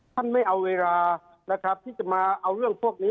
ไม่เอาเวลานะครับที่จะมาเอาเรื่องพวกนี้